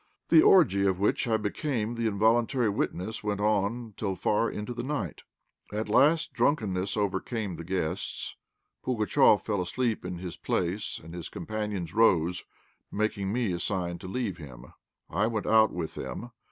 The orgy of which I became the involuntary witness went on till far into the night. At last drunkenness overcame the guests; Pugatchéf fell asleep in his place, and his companions rose, making me a sign to leave him. I went out with them.